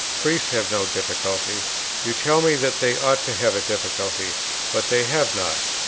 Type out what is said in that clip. Priests have no difficulty. You tell me that they ought to have a difficulty; but they have not.